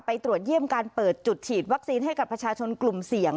ตรวจเยี่ยมการเปิดจุดฉีดวัคซีนให้กับประชาชนกลุ่มเสี่ยง